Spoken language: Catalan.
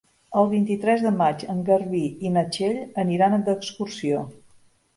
El vint-i-tres de maig en Garbí i na Txell aniran d'excursió.